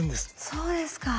そうですか。